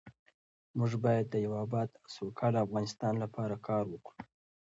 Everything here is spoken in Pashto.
موږ باید د یو اباد او سوکاله افغانستان لپاره کار وکړو.